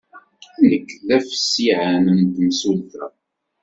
Nekk d afesyan n temsulta.